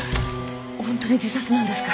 ホントに自殺なんですか？